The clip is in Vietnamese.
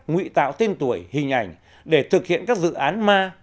ngụy tạo tên tuổi hình ảnh để thực hiện các dự án ma